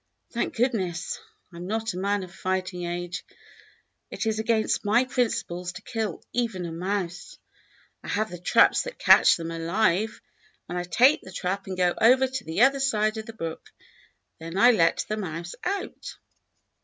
Thank goodness, I 'm not a man of fighting age. It is against my principles to kill even a mouse. I have the traps that catch them alive, and I take the trap and go over to the other side of the broolv. Then I let the mouse out."